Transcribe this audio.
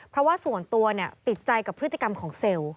เพราะว่าส่วนตัวติดใจกับพฤติกรรมของเซลล์